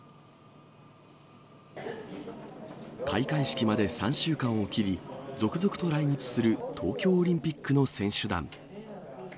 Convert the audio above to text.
開会式まで３週間を切り、続々と来日する東京オリンピックの選手団。